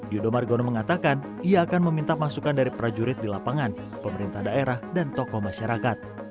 yudho margono mengatakan ia akan meminta masukan dari prajurit di lapangan pemerintah daerah dan tokoh masyarakat